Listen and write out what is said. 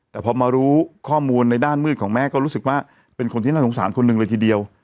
แต่พอมารู้ข้อมูลในด้านมืดของแม่ก็รู้สึกว่าเป็นคนที่น่าสงสารคนหนึ่งเลยทีเดียว